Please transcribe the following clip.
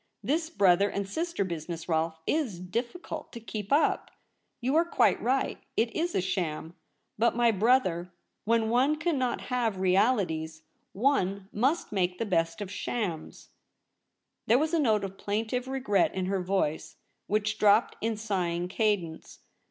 This brother and sister business, Rolfe, is difficult to keep up. You are quite right. It is a sham. But, my LITER A SCRIPT A. 225 brother, when one cannot have realities one must make the best of shams.' There was a note of plaintive regret in her voice, which dropped in sighing cadence.